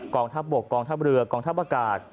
กองทัพบกกองทัพเรือกองทัพอากาศ